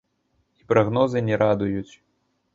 І прагнозы не радуюць.